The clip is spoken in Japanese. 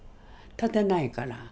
立てないから。